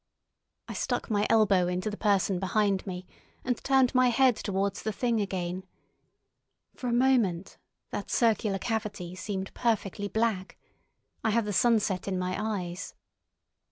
I stuck my elbow into the person behind me, and turned my head towards the Thing again. For a moment that circular cavity seemed perfectly black. I had the sunset in my eyes.